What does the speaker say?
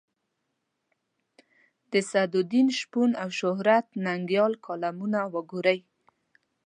د سعدالدین شپون او شهرت ننګیال کالمونه وګورئ.